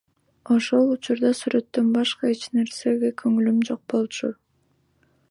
Ошол учурда сүрөттөн башка эч нерсеге көңүлүм жок болчу.